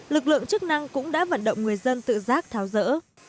lực lượng chức năng cũng đã vận động người dân tự giác thao dỡ